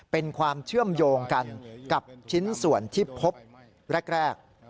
เป็นความเชื่อมโยงกันกับชิ้นส่วนที่พบแรก